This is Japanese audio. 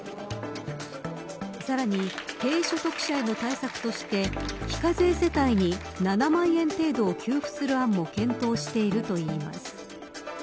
さらに低所得者への対策として非課税世帯に７万円程度給付する案も検討しているといいます。